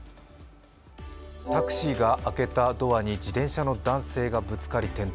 タクシーが開けたドアに自転車の男性がぶつかり、転倒。